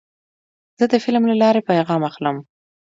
زه د فلم له لارې پیغام اخلم.